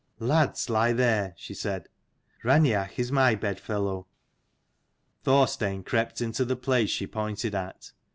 " Lads lie there :" she said. " Raineach is my bed fellow." Thorstein crept into the place she pointed at.